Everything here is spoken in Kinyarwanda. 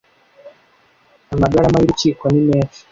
amagarama y urukiko nimenshi